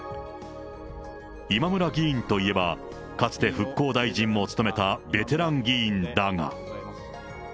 今村議員といえば、かつて復興大臣も務めたベテラン議員だが。